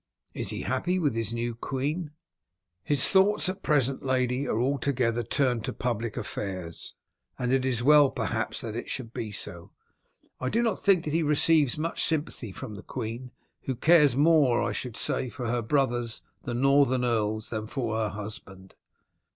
Is he happy with his new queen?" "His thoughts at present, lady, are altogether turned to public affairs, and it is well perhaps that it should be so. I do not think that he receives much sympathy from the queen, who cares more, I should say, for her brothers, the northern earls, than for her husband."